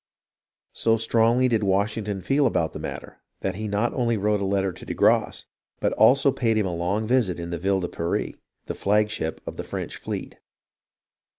So strongly did Washington feel about the matter that he not only wrote a letter to de Grasse, but he also paid him a long visit in the Ville de Paris, the flagship of the French fleet.